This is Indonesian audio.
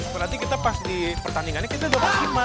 berarti kita pas di pertandingannya kita sudah berhasil mas